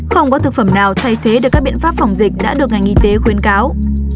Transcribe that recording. không có thực phẩm nào thay thế được các biện pháp phòng dịch đã được ngành y tế khuyến cáo